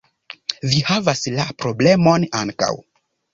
- Vi havas la problemon ankaŭ